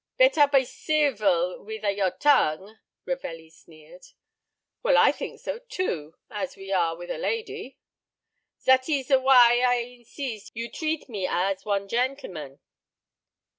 "Bettare be civ vil with a your tongue," Ravelli sneered. "Well, I think so, too, as we are with a lady." "Zat ees why a I inseest you treat a me as one gentleman."